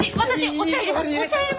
お茶いれます。